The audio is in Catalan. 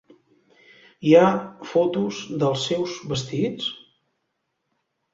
Hi ha fotos dels seus vestits?